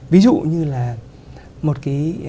ví dụ như là một cái